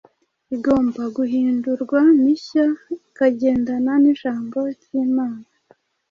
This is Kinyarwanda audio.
igomba guhindurwa mishya ikagendana n’Ijambo ry’Imana.